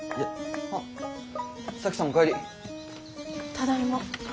ただいま。